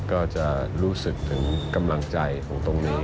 ก็จะรู้สึกถึงกำลังใจของตรงนี้